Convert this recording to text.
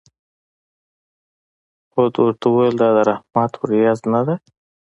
هود ورته وویل: دا د رحمت ورېځ نه ده.